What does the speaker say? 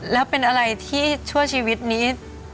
แล้วเป็นอะไรที่ชั่วชีวิตนี้